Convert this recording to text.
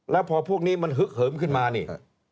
แล้วพอพวกนี้มันฮึกเหิมขึ้นมานี่